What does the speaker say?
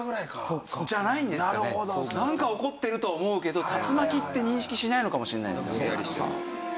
なんか起こってるとは思うけど竜巻って認識しないのかもしれないですよね。